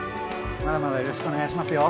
まだまだよろしくお願いしますよ。